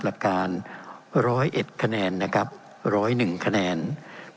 เป็นคะแนนที่ควรจะทราบไม่รับหลักการ๑๐๑คะแนนนะครับ